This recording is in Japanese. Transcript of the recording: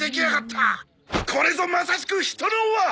これぞまさしく人の和！